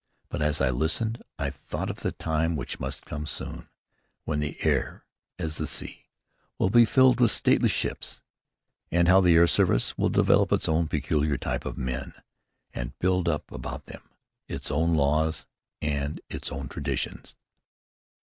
But as I listened, I thought of the time which must come soon, when the air, as the sea, will be filled with stately ships, and how the air service will develop its own peculiar type of men, and build up about them its own laws and its own traditions.